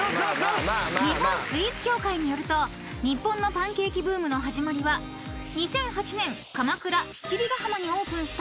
［日本スイーツ協会によると日本のパンケーキブームの始まりは２００８年鎌倉七里ヶ浜にオープンしたｂｉｌｌｓ］